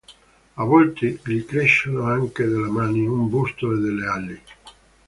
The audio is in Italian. A volte, gli crescono anche delle mani, un busto e delle ali.